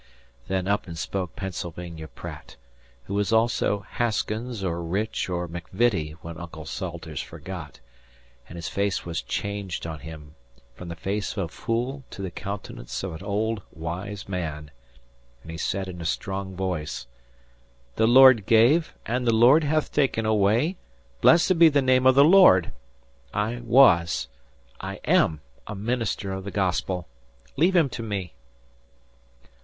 Then up and spoke Pennsylvania Pratt, who was also Haskins or Rich or McVitty when Uncle Salters forgot; and his face was changed on him from the face of a fool to the countenance of an old, wise man, and he said in a strong voice: "The Lord gave, and the Lord hath taken away; blessed be the name of the Lord! I was I am a minister of the Gospel. Leave him to me."